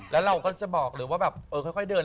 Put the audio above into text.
แล้วเราก็จะบอกหรือว่าแบบเออค่อยเดิน